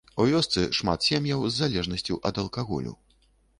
У вёсцы шмат сем'яў з залежнасцю ад алкаголю.